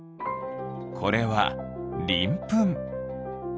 これはりんぷん。